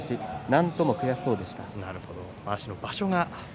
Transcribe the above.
なんとも悔しそうでした。